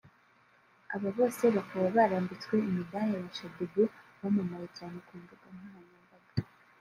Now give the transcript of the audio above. aba bose bakaba barambitswe imidari na Shaddyboo wamamaye cyane ku mbuga nkoranyambaga